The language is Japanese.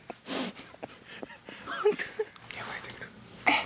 えっ？